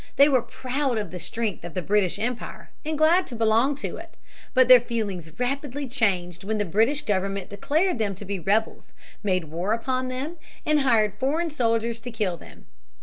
They were proud of the strength of the British empire, and glad to belong to it. But their feelings rapidly changed when the British government declared them to be rebels, made war upon them, and hired foreign soldiers to kill them.